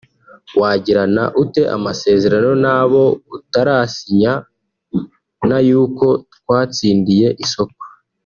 wagirana ute amasezerano nabo utarasinya n'ay'uko watsindiye isoko